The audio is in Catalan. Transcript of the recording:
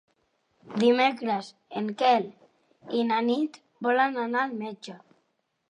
Dimecres en Quel i na Nit volen anar al metge.